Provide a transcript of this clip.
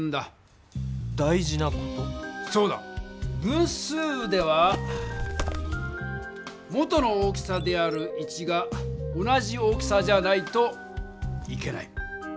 分数では元の大きさである１が同じ大きさじゃないといけない。